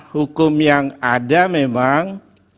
hukum yang ada memang